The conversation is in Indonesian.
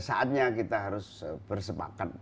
saatnya kita harus bersepakat